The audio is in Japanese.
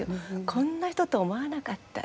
こんな人と思わなかった。